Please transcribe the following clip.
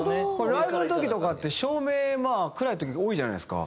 ライブの時とかって照明暗い時が多いじゃないですか。